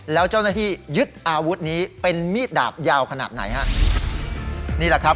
แล้วเจ้าหน้าที่ยึดอาวุธนี้เป็นมีดดาบยาวขนาดไหนฮะนี่แหละครับ